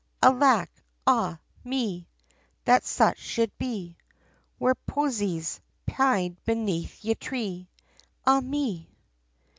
Alack ah! me, That such should be, Where posies, pied beneath ye tree, Ah! me.